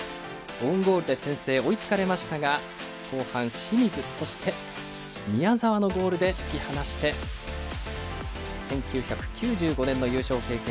オウンゴールで先制追いつかれましたが後半、清水、宮澤のゴールで突き放して１９９５年の優勝経験